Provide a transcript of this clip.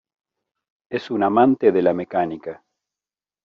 Es un amante de la mecánica.